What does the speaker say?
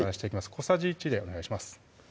小さじ１でお願いします